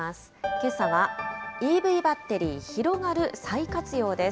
けさは、ＥＶバッテリー広がる再活用です。